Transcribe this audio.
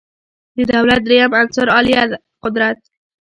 د دولت دریم عنصر عالیه قدرت